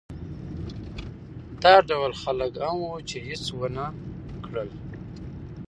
دا ډول خلک هم وو چې هېڅ ونه کړل.